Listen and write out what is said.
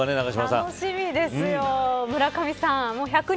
楽しみですよ、村上さん。